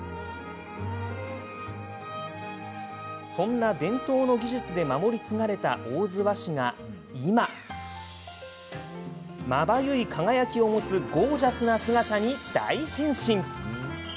そんな伝統の技術で守り継がれた大洲和紙が今まばゆい輝きを持つゴージャスな姿に大変身。